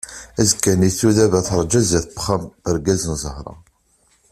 Azekka-nni sudaba terǧa sdat n uxxam n urgaz n Zahra.